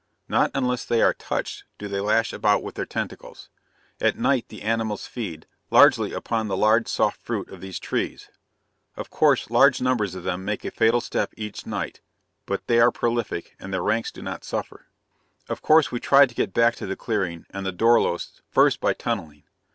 Not unless they are touched do they lash about with their tentacles. At night the animals feed, largely upon the large, soft fruit of these trees. Of course, large numbers of them make a fatal step each night, but they are prolific, and their ranks do not suffer. "Of course, we tried to get back to the clearing, and the Dorlos; first by tunneling.